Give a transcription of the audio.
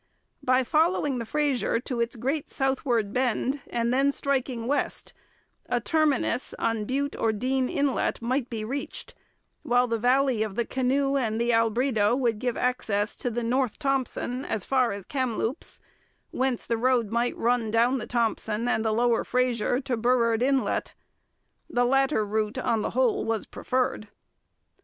By following the Fraser to its great southward bend, and then striking west, a terminus on Bute or Dean Inlet might be reached, while the valley of the Canoe and the Albreda would give access to the North Thompson as far as Kamloops, whence the road might run down the Thompson and the lower Fraser to Burrard Inlet. The latter route, on the whole, was preferred.